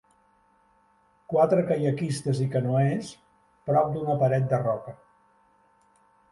Quatre caiaquistes i canoers prop d'una paret de roca.